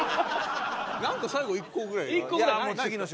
なんか最後一個ぐらい。